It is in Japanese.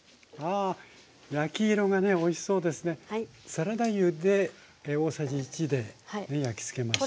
サラダ油で大さじ１で焼きつけました。